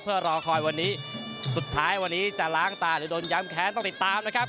เพื่อรอคอยวันนี้สุดท้ายวันนี้จะล้างตาหรือโดนย้ำแค้นต้องติดตามนะครับ